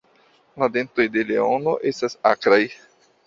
La dentoj de leono estas akraj.